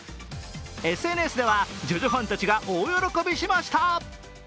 ＳＮＳではジョジョファンたちが大喜びしました。